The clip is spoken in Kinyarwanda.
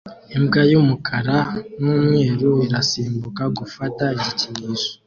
Imbwa y'umukara n'umweru irasimbuka gufata igikinisho